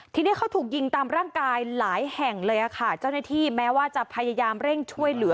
ทีนี้เขาถูกยิงตามร่างกายหลายแห่งเลยค่ะเจ้าหน้าที่แม้ว่าจะพยายามเร่งช่วยเหลือ